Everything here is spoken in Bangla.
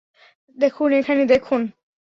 দেখুন, এখানে দেখুন।